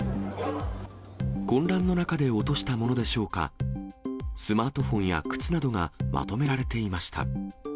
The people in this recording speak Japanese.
混乱の中で落としたものでしょうか、スマートフォンや靴などがまとめられていました。